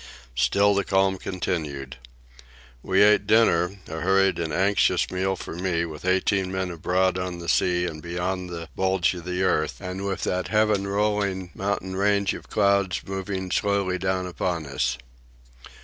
Still the calm continued. We ate dinner, a hurried and anxious meal for me with eighteen men abroad on the sea and beyond the bulge of the earth, and with that heaven rolling mountain range of clouds moving slowly down upon us.